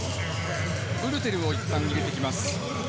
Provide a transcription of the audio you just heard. ウルテルをいったん入れてきます。